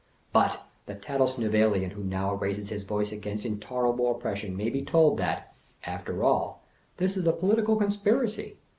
But the Tattlesnivellian who now raises his voice against intolerable oppression may be told that, after all, this is a political conspiracy.